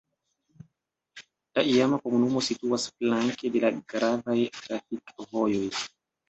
La iama komunumo situas flanke de la gravaj trafikvojoj.